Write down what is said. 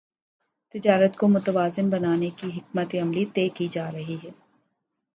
تجارت کو متوازن بنانے کی حکمت عملی طے کی جارہی ہے